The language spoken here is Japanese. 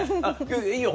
いいよ